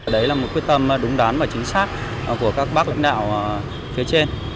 đấy là một quyết tâm đúng đoán và chính xác của các bác lãnh đạo phía trên